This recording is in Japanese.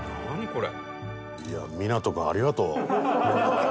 これ。